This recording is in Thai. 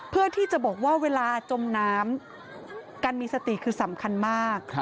เพื่อที่จะบอกว่าเวลาจมน้ำการมีสติคือสำคัญมาก